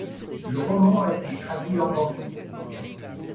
Le roman a été traduit en anglais.